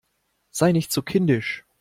Sei nicht so kindisch!